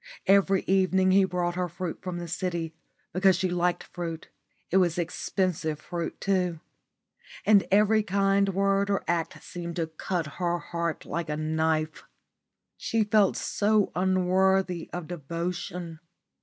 Every evening he brought her fruit from the city, because she liked fruit; it was expensive fruit too. And every kind word or act seemed to cut her heart like a knife. She felt so unworthy of devotion.